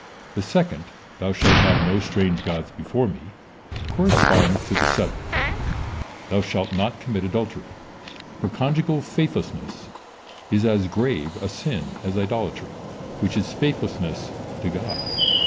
The second: "Thou shalt have no strange gods before me," corresponds to the seventh: "Thou shalt not commit adultery," for conjugal faithlessness is as grave a sin as idolatry, which is faithlessness to God.